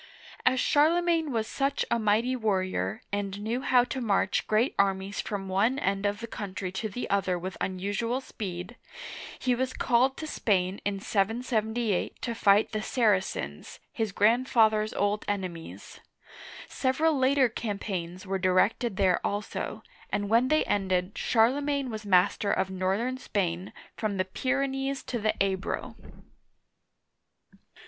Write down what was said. As Charlemagne was such a mighty warrior, and knew how to march great armies from one end of the country to the other with unusual speed, he was called to Spain, in yy^y to fight the Saracens, his grandfather's old enemies. Several later campaigns were directed there also, and when they ended, Charlemagne was master of northern Spain, from the Pyrenees to the Ebro.